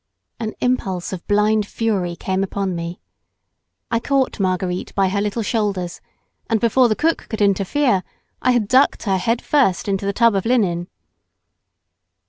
An impulse of blind fury came upon me. I caught Marguerite by her little shoulders, and before the cook could interfere I had ducked her head first into the tub of linen.